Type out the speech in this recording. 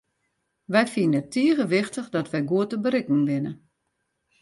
Wy fine it tige wichtich dat wy goed te berikken binne.